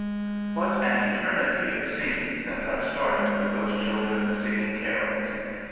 What an eternity it seemed since I started with those children singing carols.